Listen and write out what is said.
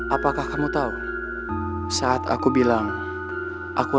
apakah kamu tahu saat aku bilang aku benci kamu hatiku menjerit tak setuju